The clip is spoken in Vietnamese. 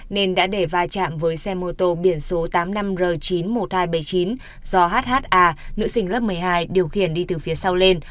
nên đã để vai trạm với xe mô tô biển số tám mươi năm r chín mươi một nghìn hai trăm bảy mươi chín do hha nữ sinh lớp một mươi hai điều khiển đi từ phía sau lên